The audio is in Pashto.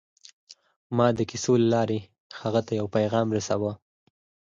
ما د کیسو له لارې هغه ته یو پیغام رساوه